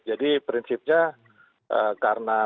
jadi prinsipnya karena